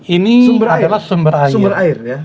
ini adalah sumber air